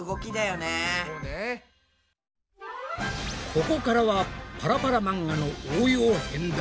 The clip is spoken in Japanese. ここからはパラパラ漫画の応用編だ！